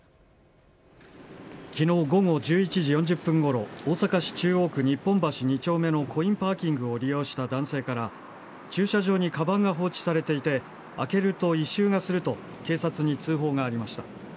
昨日午後１１時４０分ごろ大阪市中央区日本橋２丁目のコインパーキングを利用した男性から駐車場にかばんが放置されていて開けると異臭がすると警察に通報がありました。